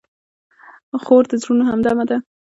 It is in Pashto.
خور د زړونو همدمه ده.